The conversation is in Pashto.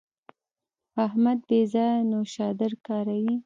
احمد بې ځایه نوشادر کاروي.